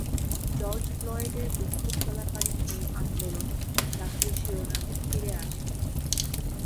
George ফ্লয়েডের বিক্ষোভ চলাকালীন এই আন্দোলন জাতীয় শিরোনামে ফিরে আসে।